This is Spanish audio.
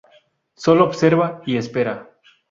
Sólo observa y espera.